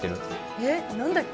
えっ何だっけ？